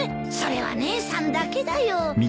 それは姉さんだけだよ。